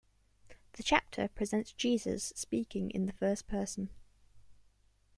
The chapter presents Jesus speaking in the first person.